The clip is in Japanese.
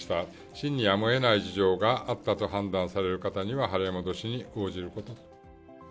真にやむをえない事情があったと判断される方には払い戻しに応じることに。